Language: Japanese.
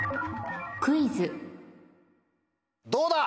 どうだ？